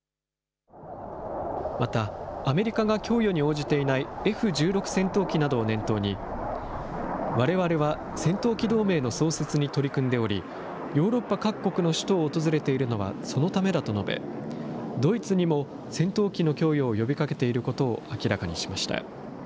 また、アメリカが供与に応じていないＦ１６戦闘機などを念頭に、われわれは戦闘機同盟の創設に取り組んでおり、ヨーロッパ各国の首都を訪れているのはそのためだと述べ、ドイツにも戦闘機の供与を呼びかけていることを明らかにしました。